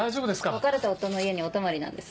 別れた夫の家にお泊まりなんです。